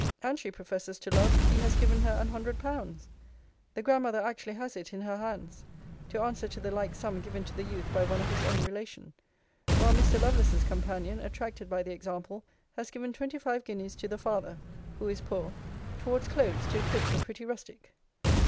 ] And she professes to love, he has given her an hundred pounds: the grandmother actually has it in her hands, to answer to the like sum given to the youth by one of his own relation: while Mr. Lovelace's companion, attracted by the example, has given twenty five guineas to the father, who is poor, towards clothes to equip the pretty rustic.